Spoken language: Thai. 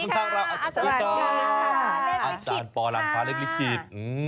สวัสดีค่ะอาจารย์พ่อเล็กลิคคลิต